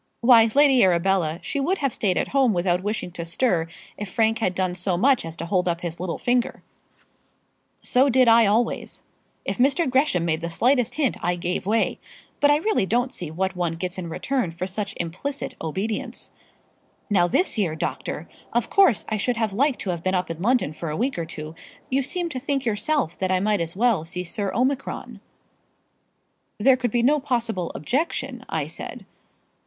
"Why, Lady Arabella, she would have stayed at home without wishing to stir if Frank had done so much as hold up his little finger." "So did I always. If Mr. Gresham made the slightest hint I gave way. But I really don't see what one gets in return for such implicit obedience. Now this year, doctor, of course I should have liked to have been up in London for a week or two. You seemed to think yourself that I might as well see Sir Omicron." "There could be no possible objection, I said."